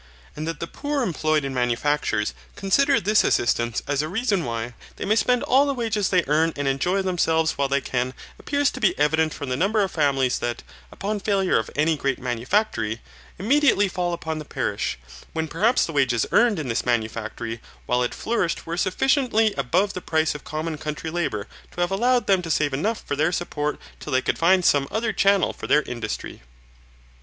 And that the poor employed in manufactures consider this assistance as a reason why they may spend all the wages they earn and enjoy themselves while they can appears to be evident from the number of families that, upon the failure of any great manufactory, immediately fall upon the parish, when perhaps the wages earned in this manufactory while it flourished were sufficiently above the price of common country labour to have allowed them to save enough for their support till they could find some other channel for their industry.